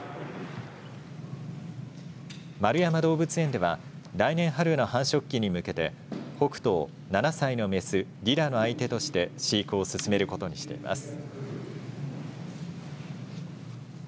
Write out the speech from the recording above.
円山動物園では来年春の繁殖期に向けてホクトを７歳の雌リラの相手として飼育を進めることにしています。